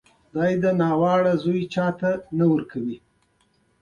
د څپلیو بندونه مضبوط تړي، سپینه خولې پر سر کږه ږدي.